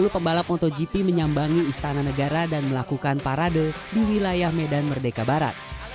dua puluh pebalap motogp menyambangi istana negara dan melakukan parade di wilayah medan merdeka barat